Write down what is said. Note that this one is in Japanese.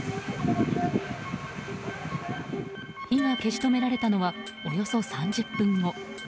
火が消し止められたのはおよそ３０分後。